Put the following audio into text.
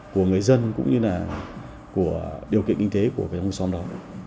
của người dân cũng như là điều kiện kinh tế của người xóm đó